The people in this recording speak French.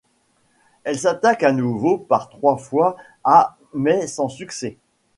Elle s'attaque à nouveau par trois fois à mais sans succès.